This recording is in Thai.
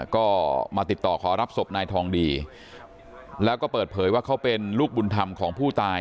ก็มาติดต่อขอรับศพนายทองดีแล้วก็เปิดเผยว่าเขาเป็นลูกบุญธรรมของผู้ตาย